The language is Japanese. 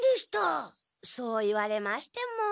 そう言われましても。